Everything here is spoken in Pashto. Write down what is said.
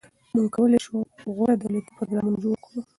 موږ کولای شو غوره دولتي پروګرامونه جوړ کړو.